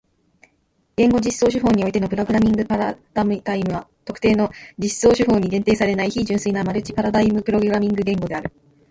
言語実装手法においてのプログラミングパラダイムは特定の実装手法に限定されない非純粋なマルチパラダイムプログラミング言語である。